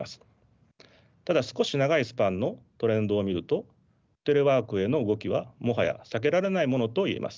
ただ少し長いスパンのトレンドを見るとテレワークへの動きはもはや避けられないものといえます。